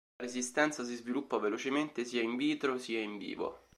La resistenza si sviluppa velocemente sia in vitro sia in vivo.